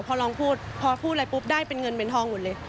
พอลองพูดพอพูดอะไรปุ๊บได้เป็นเงินเป็นทองหมดเลย